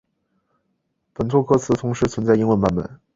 本作歌词同时存在英文版本。